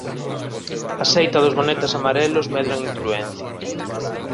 A seita dos Bonetes amarelos medra en influencia.